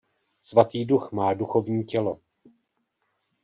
Svatý Duch má duchovní tělo.